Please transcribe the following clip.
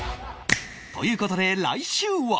という事で来週は